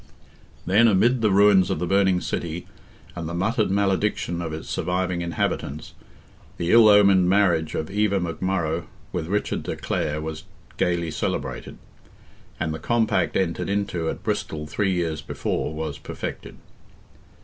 Then, amid the ruins of the burning city, and the muttered malediction of its surviving inhabitants, the ill omened marriage of Eva McMurrogh with Richard de Clare was gaily celebrated, and the compact entered into at Bristol three years before was perfected.